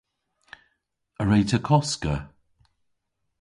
A wre'ta koska?